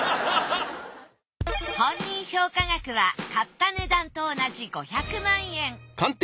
本人評価額は買った値段と同じ５００万円８００万！